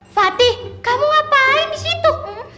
fatih kamu ngapain disitu